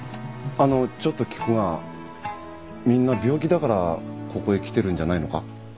あのちょっと聞くがみんな病気だからここへ来てるんじゃないのか？